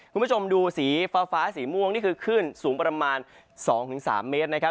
คุณผู้ชมดูสีฟ้าสีม่วงนี่คือคลื่นสูงประมาณ๒๓เมตรนะครับ